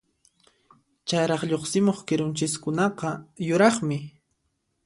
Chayraq lluqsimuq kirunchiskunaqa yuraqmi.